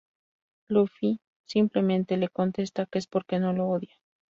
Luffy simplemente le contesta que es porque no lo odia.